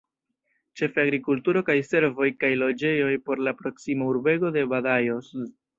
Ĉefe agrikulturo kaj servoj kaj loĝejoj por la proksima urbego de Badajoz.